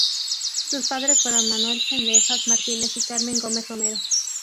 Sus padres fueron Manuel Zendejas Martínez y Carmen Gómez Romero.